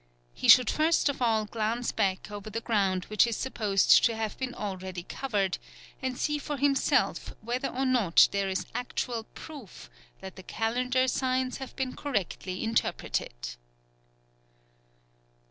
He should first of all glance back over the ground which is supposed to have been already covered, and see for himself whether or not there is actual proof that the calendar signs have been correctly interpreted.